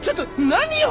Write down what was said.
何よ！？